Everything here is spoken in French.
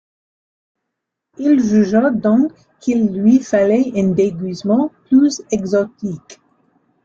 Il jugea donc qu'il lui fallait un déguisement plus exotique.